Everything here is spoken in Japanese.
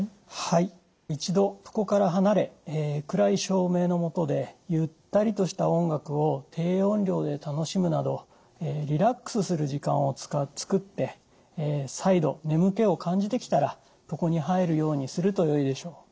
一度床から離れ暗い照明の下でゆったりとした音楽を低音量で楽しむなどリラックスする時間を作って再度眠気を感じてきたら床に入るようにするとよいでしょう。